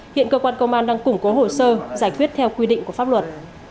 hiện cơ quan công an đang củng cố hồ sơ giải quyết theo quy định của pháp luật